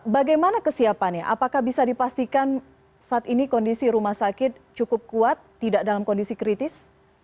bagaimana kesiapannya apakah bisa dipastikan saat ini kondisi rumah sakit cukup kuat tidak dalam kondisi kritis